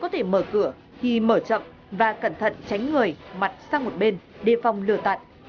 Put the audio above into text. thận tránh người mặt sang một bên đề phòng lửa tặn